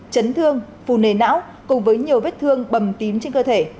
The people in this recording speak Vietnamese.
chấn thương phù nề não cùng với nhiều vết thương bầm tím trên cơ thể